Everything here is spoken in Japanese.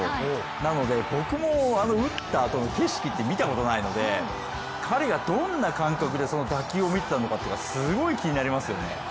なので僕も打ったあとの景色って見たことないので、彼がどんな感覚でその打球を見ていたのかすごい気になりますね。